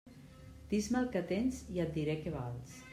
Dis-me el que tens i et diré què vals.